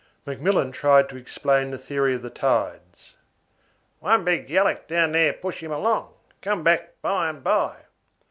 ] McMillan tried to explain the theory of the tides. "One big yallock down there push him along, come back by and by."